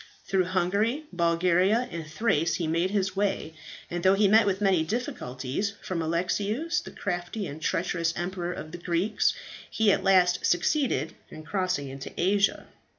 "Through Hungary, Bulgaria, and Thrace he made his way; and though he met with many difficulties from Alexius, the crafty and treacherous Emperor of the Greeks, he at last succeeded in crossing into Asia.